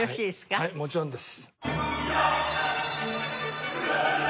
はいもちろんです。